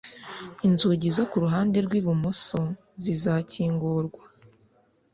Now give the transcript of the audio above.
Inzugi zo kuruhande rwibumoso zizakingurwa.